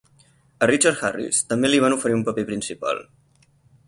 A Richard Harris també li van oferir un paper principal.